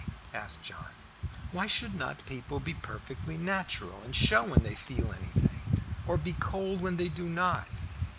asked John. "Why should not people be perfectly natural, and show when they feel anything, or be cold when they do not?"